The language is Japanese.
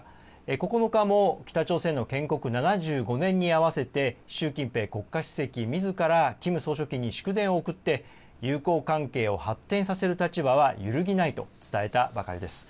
９日も北朝鮮の建国７５年にあわせて習近平国家主席みずからキム総書記に祝電を送って友好関係を発展させる立場は揺るぎないと伝えたばかりです。